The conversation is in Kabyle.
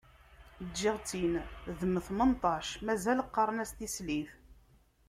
Ǧǧiɣ-tt-in d mm tmenṭac, mazal qqaren-as "tislit".